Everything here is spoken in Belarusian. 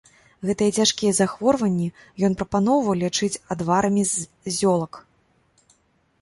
Гэтыя цяжкія захворванні ён прапаноўваў лячыць адварамі з зёлак.